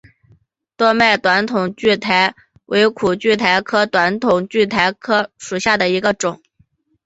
多脉短筒苣苔为苦苣苔科短筒苣苔属下的一个种。